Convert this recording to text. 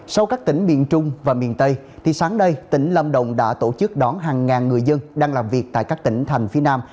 sau các tỉnh miền trung và miền tây thì sáng nay tỉnh lâm đồng đã tổ chức đón hàng ngàn người dân đang làm việc tại các tỉnh thành phía nam